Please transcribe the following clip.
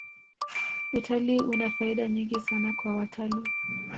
utalii una faida nyingi sana kwa watalii